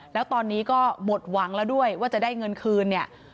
แล้วตอนนี้ก็หมดหวังแล้วด้วยว่าจะได้เงินคืนเนี่ย